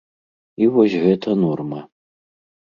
І вось гэта норма.